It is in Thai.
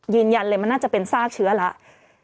ยืนยันเลยมันน่าจะเป็นซากเชื้อแล้ว